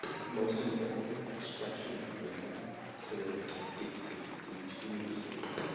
Most importantly, I structure my grammar so that I can dictate continuously.